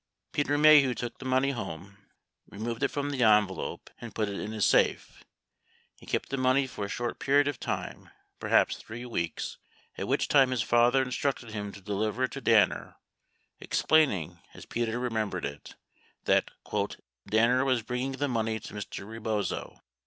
68 Peter Maheu took the money home, removed it from the envelope, and put it in his safe. 69 He kept the money for a short period of time, perhaps 3 weeks, 70 at which time his father instructed him to deliver it to Danner, explaining, as Peter remembered it, that "Danner was bringing the money to Mr. Rebozo.